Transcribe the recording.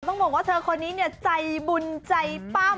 ต้องบอกว่าเธอคนนี้ใจบุญใจป้ำ